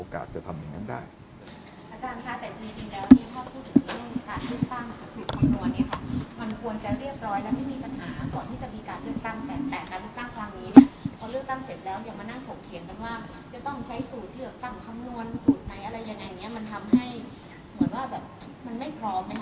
มันทำให้เหมือนว่าแบบมันไม่พร้อมนะคะอาจารย์ค่ะ